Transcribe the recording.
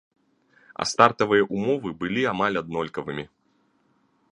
А стартавыя ўмовы былі амаль аднолькавымі.